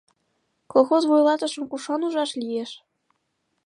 Колхоз вуйлатышым кушан ужаш лиеш?